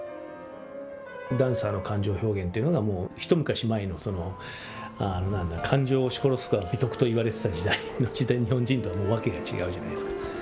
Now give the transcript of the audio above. ダンサーの感情表現というのが、一昔前の感情を押し殺すのが美徳と言われてきた時代の日本人とわけが違うじゃないですか。